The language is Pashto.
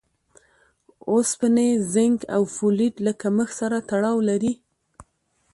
اوسپنې، زېنک او فولېټ له کمښت سره تړاو لري.